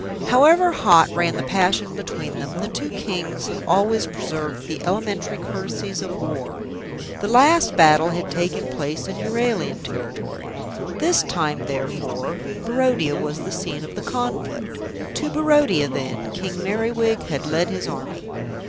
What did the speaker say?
However hot ran the passion between them, the two Kings always preserved the elementary courtesies of war. The last battle had taken place in Euralian territory; this time, therefore, Barodia was the scene of the conflict. To Barodia, then, King Merriwig had led his army.